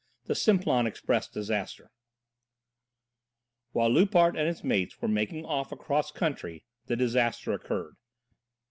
XV THE SIMPLON EXPRESS DISASTER While Loupart and his mates were making off across country the disaster occurred.